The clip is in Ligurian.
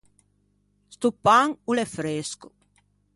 Sto pan o l’é fresco.